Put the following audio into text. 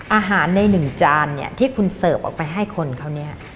อาหารในหนึ่งจานเนี่ยที่คุณเสิร์ฟออกไปให้คนเขาเนี่ย